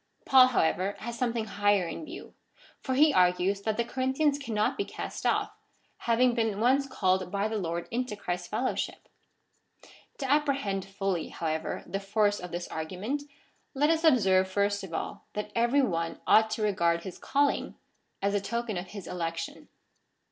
Paul, however, has something higher in view, for he argues that the Corinthians cannot be cast off, having been once, called by the Lord into Christ's fellowship. To apprehend fully, however, the force of this argument, let us observe first of all, that every one ought to regard his calling as a token of his election.